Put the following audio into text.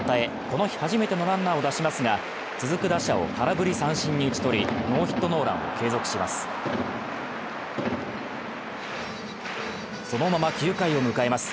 この日初めてのランナーを出しますが、続く打者を空振り三振に打ち取りノーヒットノーランを継続します。